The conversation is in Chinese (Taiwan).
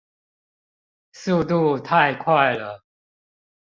速度太快了